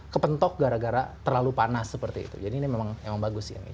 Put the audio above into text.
kepentok gara gara terlalu panas seperti itu jadi ini memang bagus ini